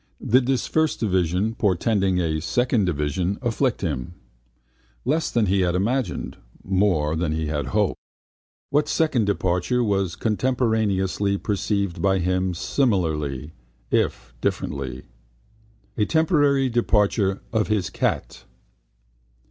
Did that first division, portending a second division, afflict him? Less than he had imagined, more than he had hoped. What second departure was contemporaneously perceived by him similarly, if differently? A temporary departure of his cat.